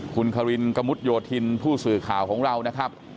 คุณคารินกระมุดโยธินผู้สื่อข่าวของเรานะครับ